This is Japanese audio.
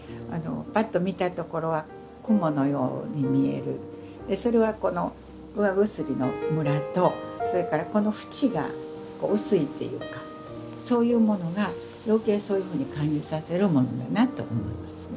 パッと見たところはそれはこの釉薬のむらとそれからこの縁が薄いっていうかそういうものがよけいそういうふうに感じさせるものだなと思いますね。